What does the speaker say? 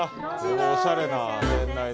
おしゃれな店内で。